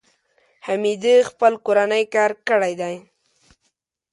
حمیدې خپل کورنی کار کړی دی.